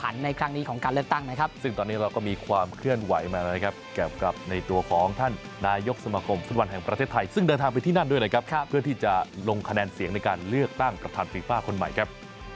และเลือกตั้งประธานฟีฟ่าคนใหม่ครับ